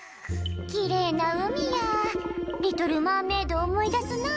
キレイな海や『リトル・マーメイド』思い出すな。